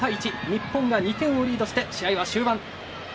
日本が２点をリードして試合は終盤。